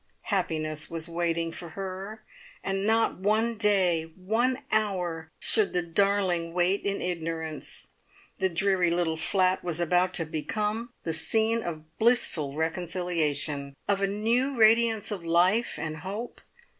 Happiness was waiting for her, and not one day, one hour, should the darling wait in ignorance. The dreary little flat was about to become the scene of blissful reconciliation; of a new radiance of life and hope.